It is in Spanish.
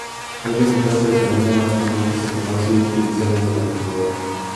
Es la sustancia alcalina más común que se conoce y utiliza desde la antigüedad.